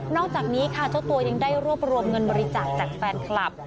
อกจากนี้ค่ะเจ้าตัวยังได้รวบรวมเงินบริจาคจากแฟนคลับ